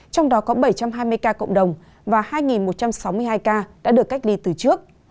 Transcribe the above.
trong đó có bảy trăm hai mươi ca cộng đồng và hai một trăm sáu mươi hai ca đã được cách ly từ trước